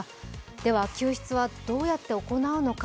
では救出はどうやって行うのか。